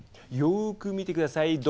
よく見てください。